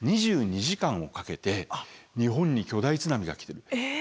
２２時間をかけて日本に巨大津波が来てる。